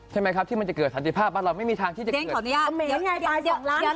ใช่ไหมครับที่มันจะเกิดสันติภาพเราไม่มีทางที่จะเกิด